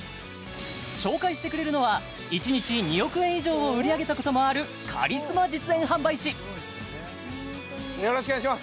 紹介してくれるのは１日２億円以上を売り上げたこともあるカリスマ実演販売士よろしくお願いします